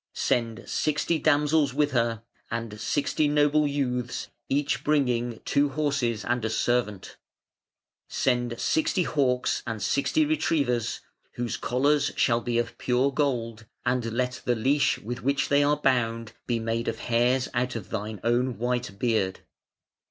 Send sixty damsels with her, and sixty noble youths each bringing two horses and a servant. Send sixty hawks and sixty retrievers, whose collars shall be of pure gold, and let the leash with which they are bound be made of hairs out of thine own white beard.